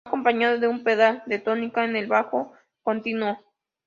Va acompañado de un pedal de tónica en el bajo continuo.